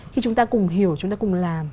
khi chúng ta cùng hiểu chúng ta cùng làm